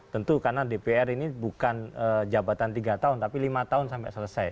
tentu karena dpr ini bukan jabatan tiga tahun tapi lima tahun sampai selesai